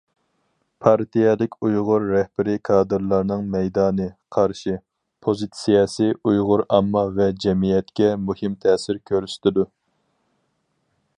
پارتىيەلىك ئۇيغۇر رەھبىرىي كادىرلارنىڭ مەيدانى، قارىشى، پوزىتسىيەسى ئۇيغۇر ئامما ۋە جەمئىيەتكە مۇھىم تەسىر كۆرسىتىدۇ.